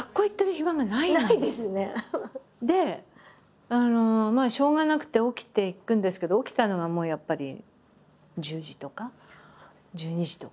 でしょうがなくて起きて行くんですけど起きたのがもうやっぱり１０時とか１２時とか。